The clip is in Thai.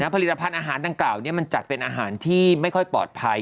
ผลิตภัณฑ์อาหารดังกล่าวมันจัดเป็นอาหารที่ไม่ค่อยปลอดภัย